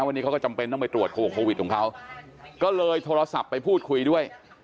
วันนี้เขาก็จำเป็นต้องไปตรวจโควิดของเขาก็เลยโทรศัพท์ไปพูดคุยด้วย